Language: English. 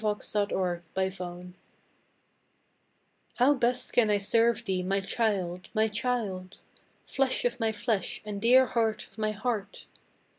MOTHER TO CHILD * How best can I serve thee, my child! My child! Flesh of my flesh and dear heart of my heart!